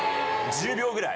１０秒ぐらい。